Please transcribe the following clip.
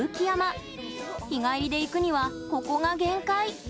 日帰りで行くには、ここが限界。